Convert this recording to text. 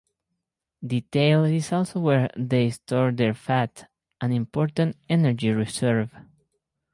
The tail is also where they store their fat, an important energy reserve.